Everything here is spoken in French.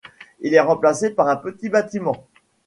Il est remplacé par un petit bâtiment.